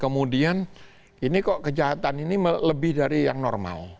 kemudian ini kok kejahatan ini lebih dari kejahatan